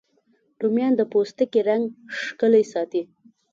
رومیان د پوستکي رنګ ښکلی ساتي